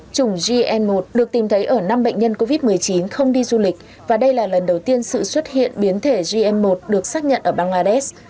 chủng gn một được tìm thấy ở năm bệnh nhân covid một mươi chín không đi du lịch và đây là lần đầu tiên sự xuất hiện biến thể gm một được xác nhận ở bangladesh